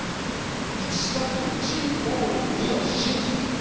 「１＋１＝２」の真実。